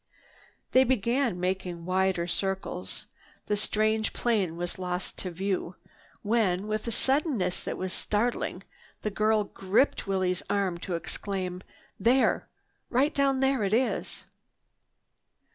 They began making wider circles. The strange plane was lost to view when, with a suddenness that was startling, the girl gripped Willie's arm to exclaim: "There! Right down there it is!"